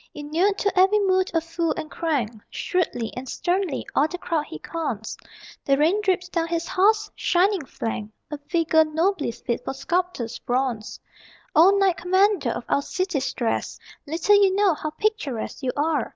Inured to every mood of fool and crank, Shrewdly and sternly all the crowd he cons: The rain drips down his horse's shining flank, A figure nobly fit for sculptor's bronze. O knight commander of our city stress, Little you know how picturesque you are!